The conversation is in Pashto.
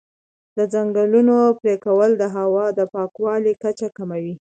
د ځنګلونو پرېکول د هوا د پاکوالي کچه کموي.